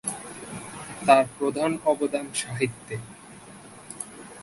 তাঁর প্রধান অবদান সাহিত্যে।